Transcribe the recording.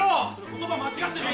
言葉間違ってるよ